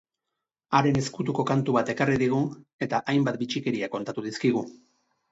Haren ezkutuko kantu bat ekarri digu, eta hainbat bitxikeria kontatu dizkigu.